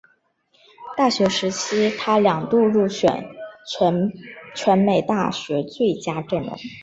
大学时期他两度入选全美大学最佳阵容。